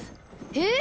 えっ！